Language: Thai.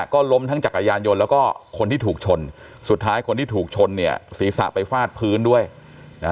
ก็ล้มทั้งจักรยานยนต์แล้วก็คนที่ถูกชนสุดท้ายคนที่ถูกชนเนี่ยศีรษะไปฟาดพื้นด้วยนะ